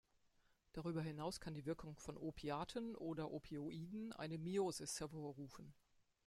Darüber hinaus kann die Wirkung von Opiaten oder Opioiden eine Miosis hervorrufen.